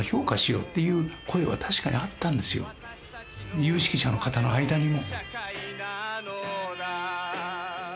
有識者の方の間にも。